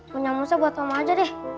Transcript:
punya musa buat om aja deh